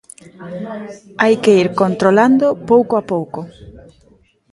Hai que ir controlándoo pouco a pouco.